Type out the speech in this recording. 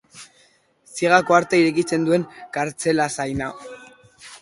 Ziegako atea irekitzen duen kartzelazaina.